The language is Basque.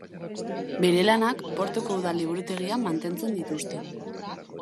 Bere lanak Portoko Udal Liburutegian mantentzen dituzte.